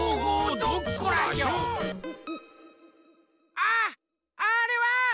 あっあれは！